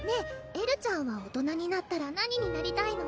エルちゃんは大人になったら何になりたいの？